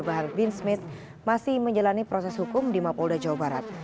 bahar bin smith masih menjalani proses hukum di mapolda jawa barat